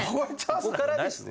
ここからですよ。